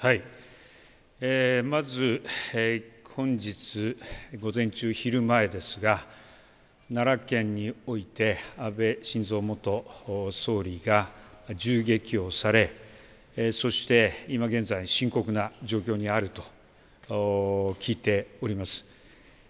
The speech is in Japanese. まず、本日午前中昼前ですが、奈良県において、安倍晋三元総理が銃撃をされ、そして今現在、深刻な状況にあると聞いております。